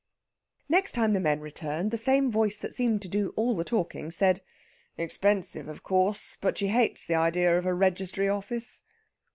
Next time the men returned, the same voice that seemed to do all the talking said: "... Expensive, of course, but she hates the idea of a registry office."